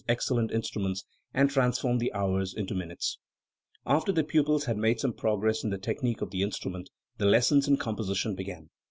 217 excellent instruments and transformed the hours into minutes*. After the pupils had made some progress in the tech nique of the instrument, the lessons in composition began.